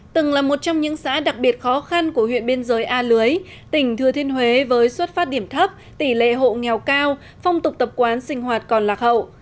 từng là một trong những xã đặc biệt khó khăn của huyện biên giới a lưới tỉnh thừa thiên huế với xuất phát điểm thấp tỷ lệ hộ nghèo cao phong tục tập quán sinh hoạt còn lạc hậu